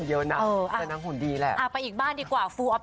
เอ่อจุดดำคอบ